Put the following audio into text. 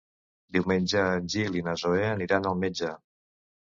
Diumenge en Gil i na Zoè aniran al metge.